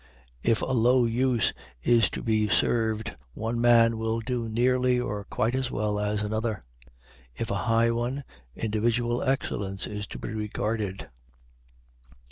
If a low use is to be served, one man will do nearly or quite as well as another; if a high one, individual excellence is to be regarded.